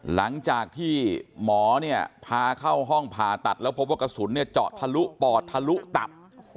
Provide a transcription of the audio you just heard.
หลังจากที่หมอเนี่ยพาเข้าห้องผ่าตัดแล้วพบว่ากระสุนเนี่ยเจาะทะลุปอดทะลุตับ